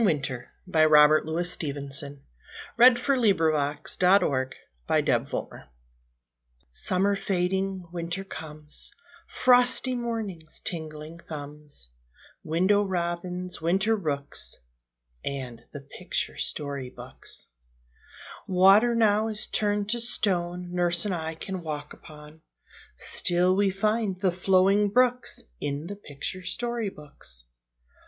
How great and cool the rooms! PICTURE BOOKS IN WINTER Summer fading, winter comes Frosty mornings, tingling thumbs, Window robins, winter rooks, And the picture story books. Water now is turned to stone Nurse and I can walk upon; Still we find the flowing brooks In the picture story books.